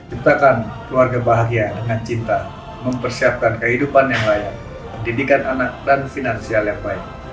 ciptakan keluarga bahagia dengan cinta mempersiapkan kehidupan yang layak pendidikan anak dan finansial yang baik